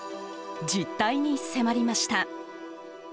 実態に迫りました。